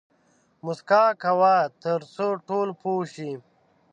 موسکا کوه تر څو ټول پوه شي